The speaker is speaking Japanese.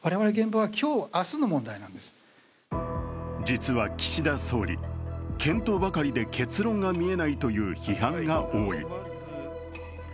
実は岸田総理、検討ばかりで結論が見えないという批判が多い。